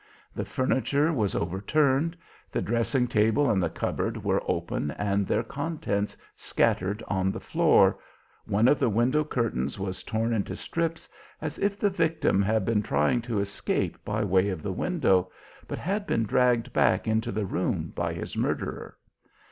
The furniture was overturned, the dressing table and the cupboard were open and their contents scattered on the floor, one of the window curtains was torn into strips, as if the victim had been trying to escape by way of the window, but had been dragged back into the room by his murderer.